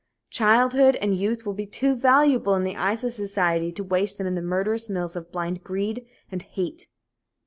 Childhood and youth will be too valuable in the eyes of society to waste them in the murderous mills of blind greed and hate.